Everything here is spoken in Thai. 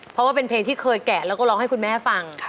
เพราะว่าเป็นเพลงที่เคยแกะแล้วก็ร้องให้คุณแม่ฟัง